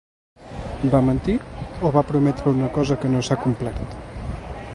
Va mentir o va prometre una cosa que no s’ha complert.